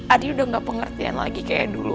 adi udah gak pengertian lagi kayak dulu